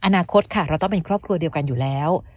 อนาคตค่ะเราต้องเป็นครอบครัวเดียวกันอยู่แล้ว